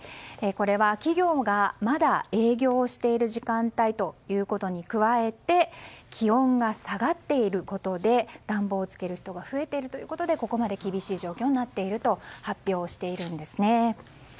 これは企業がまだ営業している時間帯ということに加えて気温が下がっていることで暖房をつける人が増えているということでここまで厳しい状況になっていると発表しているんです。